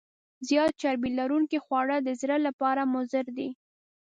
زیات چربي لرونکي خواړه د زړه لپاره مضر دي.